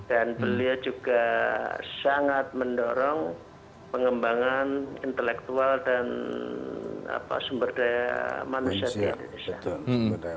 dan beliau juga sangat mendorong pengembangan intelektual dan apa sumber daya manusia di indonesia